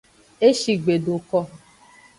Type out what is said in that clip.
Eshi gbe do ko.